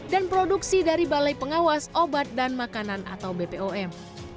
dan produksi dari balai pengawas obat dan makanan atau bpom